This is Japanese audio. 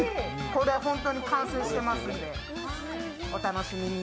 これ、本当に完成していますので、お楽しみに。